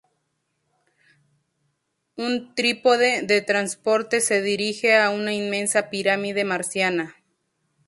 Un trípode de transporte se dirige a una inmensa pirámide marciana.